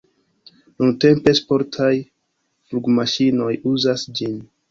Nuntempe sportaj flugmaŝinoj uzas ĝin.